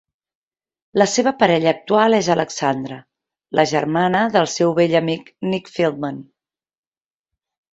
La seva parella actual és Alexandra, la germana del seu vell amic Nick Feldman.